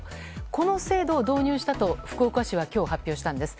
この制度を導入したと福岡市は今日発表したんです。